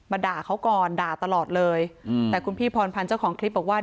ด่าเขาก่อนด่าตลอดเลยอืมแต่คุณพี่พรพันธ์เจ้าของคลิปบอกว่า